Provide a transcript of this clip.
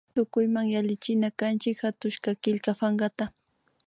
Tukuyma yallichinakanchik hatushka killka pankata